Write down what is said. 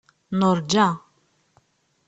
Nurǧa.